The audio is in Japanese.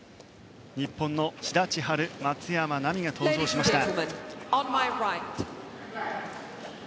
日本の志田千陽、松山奈未が登場しました。